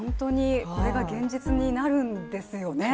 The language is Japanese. これが現実になるんですよね。